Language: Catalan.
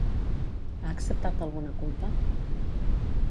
Ha acceptat alguna culpa?